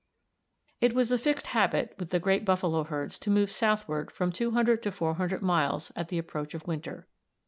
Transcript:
It was a fixed habit with the great buffalo herds to move southward from 200 to 400 miles at the approach of winter.